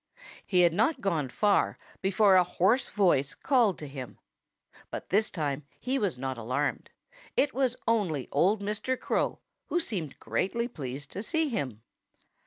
He had not gone far before a hoarse voice called to him. But this time he was not alarmed. It was only old Mr. Crow, who seemed greatly pleased to see him.